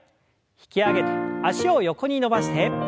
引き上げて脚を横に伸ばして。